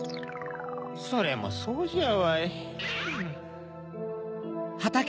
それもそうじゃわい。